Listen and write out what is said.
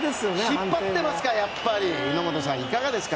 引っ張ってますかやっぱり。